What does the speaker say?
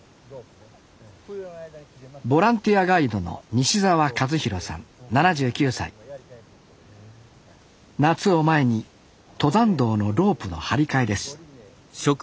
ボランティアガイドの夏を前に登山道のロープの張り替えです